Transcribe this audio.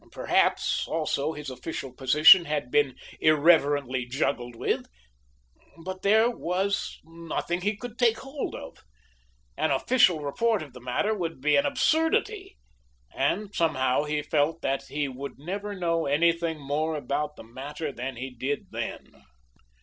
Perhaps, also, his official position had been irreverently juggled with. But there was nothing he could take hold of. An official report of the matter would be an absurdity. And, somehow, he felt that he would never know anything more about the matter than he did then.